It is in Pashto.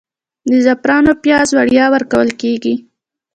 د زعفرانو پیاز وړیا ورکول کیږي؟